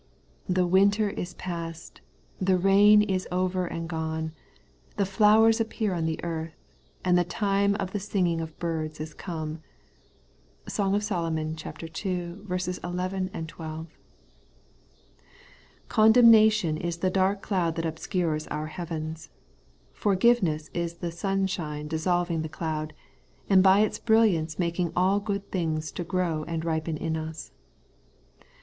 'The winter is past, the rain is over and gone, the flowers appear on the earth, the time of the singing of birds is come' (Song of SoL ii. 11, 12). Condemnation is the dark cloud that obscures our heavens. Forgiveness is the sunshine dissolv ing the cloud, and by its brilliance making all good things to grow and ripen in us.